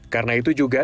karena itu juga